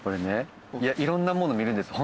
いろんなもの見るんです